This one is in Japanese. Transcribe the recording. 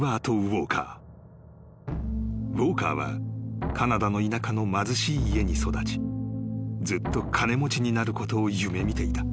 ［ウォーカーはカナダの田舎の貧しい家に育ちずっと金持ちになることを夢見ていた］